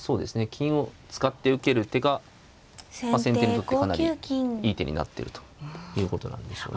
金を使って受ける手が先手にとってかなりいい手になってるということなんでしょうね。